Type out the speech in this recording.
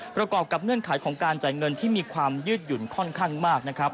ประกอบกับเงื่อนไขของการจ่ายเงินที่มีความยืดหยุ่นค่อนข้างมากนะครับ